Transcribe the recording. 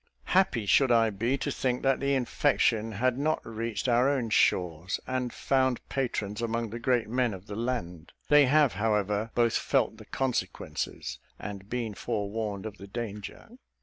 Happy should I be to think that the infection had not reached our own shores, and found patrons among the great men of the land. They have, however, both felt the consequences, and been forewarned of the danger.